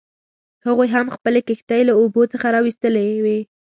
هغوی هم خپلې کښتۍ له اوبو څخه راویستلې وې.